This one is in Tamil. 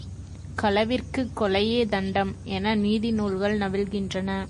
களவிற்குக் கொலையே தண்டம் என நீதி நூல்கள் நவில்கின்றன.